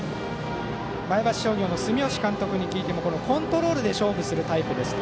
前橋商業の住吉監督に聞いてもこのコントロールで勝負するタイプですと。